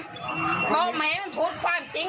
บอกไหมมันพูดความจริง